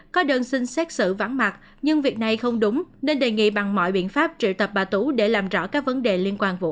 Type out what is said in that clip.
có đơn xin xét xử vắng mặt nhưng việc này không đúng nên đề nghị bằng mọi biện pháp triệu tập bà tú để làm rõ các vấn đề liên quan vụ án